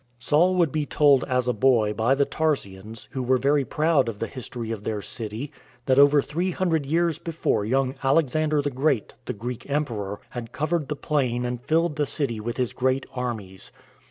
Saul would be told as a boy by the Tarsians, who were very proud of the history of their city, that over three hundred years before young Alexander the Great, the Greek Emperor, had covered the plain and filled the city with his great armies.